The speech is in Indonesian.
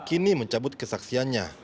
kini mencabut kesaksiannya